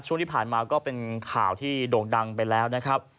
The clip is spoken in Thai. ช่วงที่ผ่านมาก็เป็นข่าวที่โด่งดังไปแล้วนะครับ